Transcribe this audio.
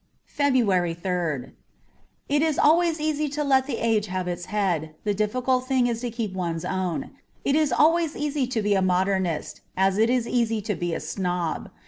'' 37 FEBRUARY 3rd IT is always easy to let the age have its head ; the difficult thing is to keep one's own. It is always easy to be a modernist, as it is easy to be a snob.